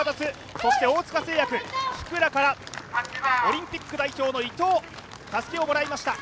そして大塚製薬、福良からオリンピック代表の伊藤、たすきをもらいました。